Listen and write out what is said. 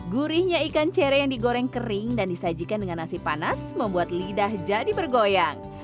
gurihnya ikan cere yang digoreng kering dan disajikan dengan nasi panas membuat lidah jadi bergoyang